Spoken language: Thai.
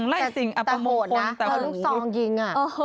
ไล่สิ่งอับอมมุมคนแต่แบบนี้โหดนะลูกทรองยิง